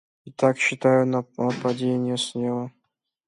Итак, считаю нападенье слева!